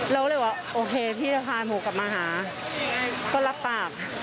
แล้วเลยว่าโอเคพี่จะพาเขากลับมาหาก็รับปาก